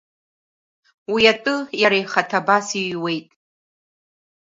Уи атәы иара ихаҭа абас иҩуеит…